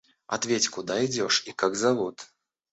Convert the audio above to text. Ответь куда идешь и как зовут.